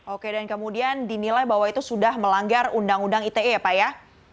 oke dan kemudian dinilai bahwa itu sudah melanggar undang undang ite ya pak ya